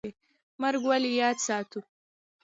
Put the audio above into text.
مرګ ولې یاد ساتو؟